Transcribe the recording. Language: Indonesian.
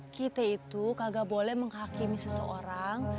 kita itu kagak boleh menghakimi seseorang